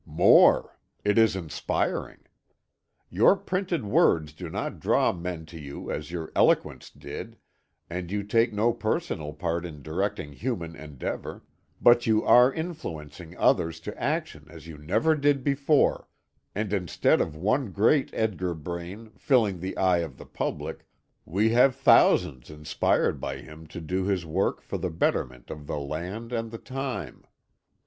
"More. It is inspiring. Your printed words do not draw men to you as your eloquence did, and you take no personal part in directing human endeavor, but you are influencing others to action as you never did before, and instead of one great Edgar Braine, filling the eye of the public, we have thousands inspired by him to do his work for the betterment of the land and the time.